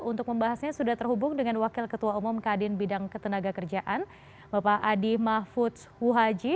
untuk membahasnya sudah terhubung dengan wakil ketua umum kadin bidang ketenaga kerjaan bapak adi mahfudz wuhaji